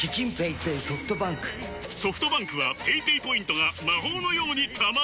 ソフトバンクはペイペイポイントが魔法のように貯まる！